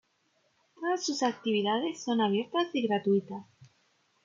Todas sus actividades son abiertas y gratuitas.